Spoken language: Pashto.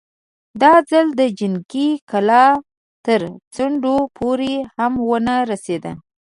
دا ځل د جنګي کلا تر څنډو پورې هم ونه رسېد.